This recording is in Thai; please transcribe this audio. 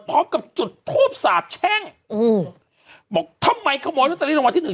พร้อมกับจุดทูบสาบแช่งอืมบอกทำไมขโมยโรตเตอรี่รางวัลที่หนึ่ง